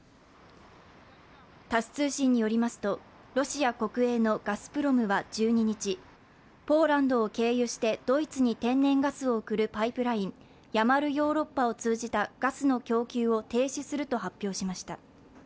タス通信によりますとロシア国営のガスプロムは１２日、ポーランドを経由してドイツに天然ガスを送るパイプラインヤマルヨーロッパを通じたガスの供給を停止すると発表しました。